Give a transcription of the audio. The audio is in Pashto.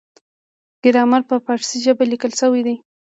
ګرامر په پارسي ژبه لیکل شوی دی.